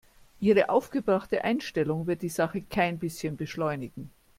Ihre aufgebrachte Einstellung wird die Sache kein bisschen beschleunigen.